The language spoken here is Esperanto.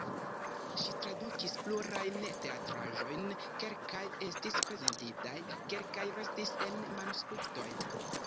Ŝi tradukis plurajn teatraĵojn, kelkaj estis prezentitaj, kelkaj restis en manuskriptoj.